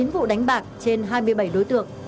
chín vụ đánh bạc trên hai mươi bảy đối tượng